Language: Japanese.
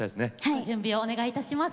ご準備をお願いいたします。